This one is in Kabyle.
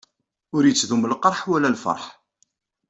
Ur yettdumu lqerḥ wala lfeṛḥ.